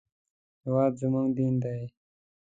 هېواد زموږ دین دی